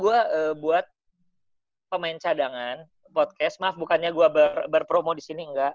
gue hanya gini kenapa gue buat pemain cadangan podcast maaf bukannya gue berpromo disini enggak